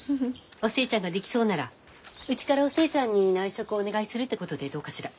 お寿恵ちゃんができそうならうちからお寿恵ちゃんに内職をお願いするってことでどうかしら？